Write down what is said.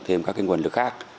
thêm các nguồn lực khác